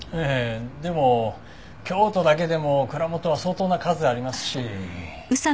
でも京都だけでも蔵元は相当な数ありますし。